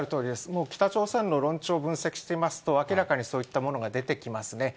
もう北朝鮮の論調を分析していますと、明らかにそういったものが出てきますね。